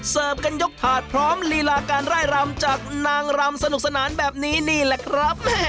กันยกถาดพร้อมลีลาการไล่รำจากนางรำสนุกสนานแบบนี้นี่แหละครับ